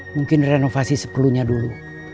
mungkin renovasi sepelunya dulu